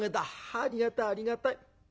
ありがたいありがたい。